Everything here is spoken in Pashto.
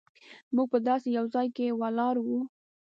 موږ په داسې یو ځای کې ولاړ وو.